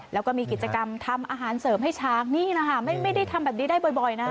แล้วก็มีกิจกรรมทำอาหารเสริมให้ช้างนี่นะคะไม่ได้ทำแบบนี้ได้บ่อยนะ